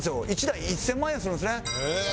一台１０００万円するんですね。